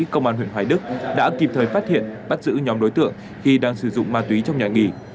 công an huyện hoài đức đã kịp thời phát hiện bắt giữ nhóm đối tượng khi đang sử dụng ma túy trong nhà nghỉ